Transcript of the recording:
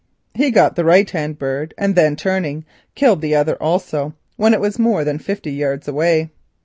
He got the right hand bird, and then turning killed the other also, when it was more than fifty yards away.